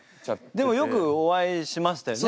でもよくお会いしましたよね。